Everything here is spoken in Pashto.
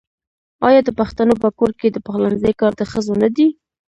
آیا د پښتنو په کور کې د پخلنځي کار د ښځو نه دی؟